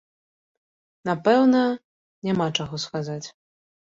Напэўна, няма чаго сказаць.